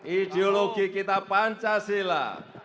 ideologi kita pancasila